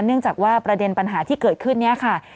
เนื่องจากว่าประเด็นปัญหาที่เกิดขึ้นนี้ค่ะ